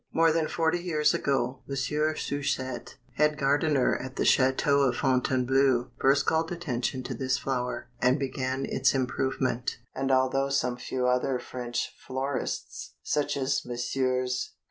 More than forty years ago Mons. Souchet, head gardener at the Château of Fontainebleau, first called attention to this flower, and began its improvement, and although some few other French florists, such as Messrs.